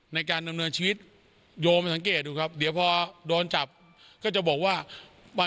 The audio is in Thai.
ในการดำเนินชีวิตโยมสังเกตดูครับเดี๋ยวพอโดนจับก็จะบอกว่าวัน